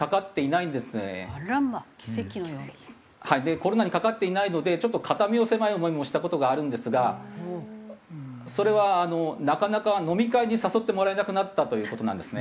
コロナにかかっていないのでちょっと肩身の狭い思いもした事があるんですがそれはなかなか飲み会に誘ってもらえなくなったという事なんですね。